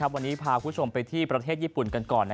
วันนี้พาคุณผู้ชมไปที่ประเทศญี่ปุ่นกันก่อน